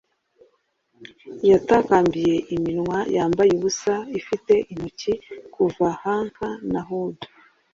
yatakambiye iminwa yambaye ubusa, ifite intoki kuva hank na hood